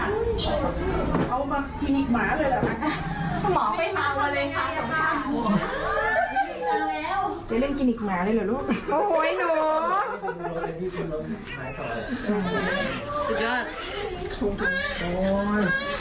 น่ารักใช่ไหม